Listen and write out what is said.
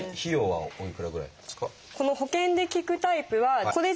はい。